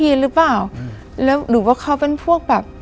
หรือว่าเขาเป็นพวกแบบ